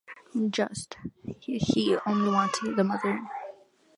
Just! He only wanted the mother.